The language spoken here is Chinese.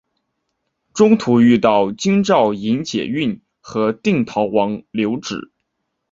中途遇到京兆尹解恽和定陶王刘祉。